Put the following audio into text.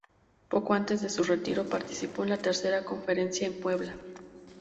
Poco antes de su retiro, participó en la tercera Conferencia en Puebla.